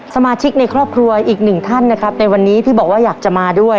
สมาชิกในครอบครัวอีกหนึ่งท่านนะครับในวันนี้ที่บอกว่าอยากจะมาด้วย